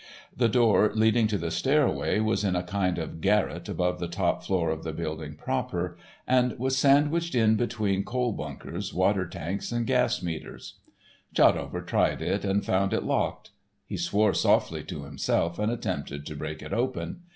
The door leading to the stairway was in a kind of garret above the top floor of the building proper, and was sandwiched in between coal bunkers, water tanks, and gas meters. Shotover tried it, and found it locked. He swore softly to himself, and attempted to break it open.